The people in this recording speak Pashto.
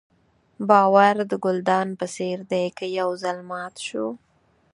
باور د ګلدان په څېر دی که یو ځل مات شو.